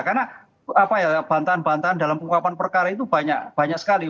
karena bantahan bantahan dalam penguapan perkara itu banyak sekali